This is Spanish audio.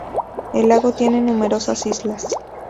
El lago tiene numerosas islas.